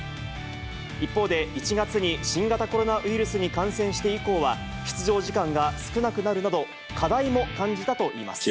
一方で１月に新型コロナウイルスに感染して以降は、出場時間が少なくなるなど、課題も感じたといいます。